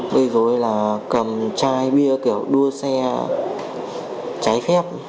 gây dối là cầm chai bia kiểu đua xe cháy phép